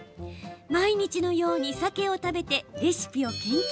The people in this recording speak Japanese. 毎日のようにサケを食べてレシピを研究。